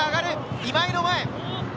今井の前！